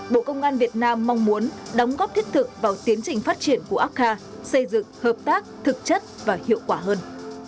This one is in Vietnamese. bộ công an việt nam mong muốn đóng góp thiết thực vào tiến trình phát triển của apca xây dựng hợp tác thực chất và hiệu quả hơn